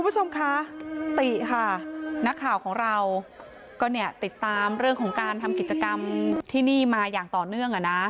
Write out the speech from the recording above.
คุณผู้ชมคะติค่ะนักข่าวของเราก็เนี่ยติดตามเรื่องของการทำกิจกรรมที่นี่มาอย่างต่อเนื่องอ่ะนะ